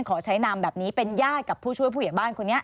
ขอใช้นามแบบนี้เป็นญาติกับผู้ช่วยผู้ใหญ่บ้านคนนี้